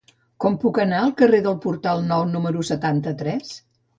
Com puc anar al carrer del Portal Nou número setanta-tres?